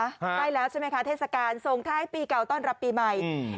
ใช่แล้วใช่ไหมคะเทศกาลส่งท้ายปีเก่าต้อนรับปีใหม่อืม